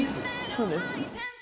そうです。